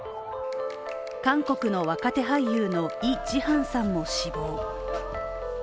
韓国の若手俳優のイ・ジハンさんも死亡。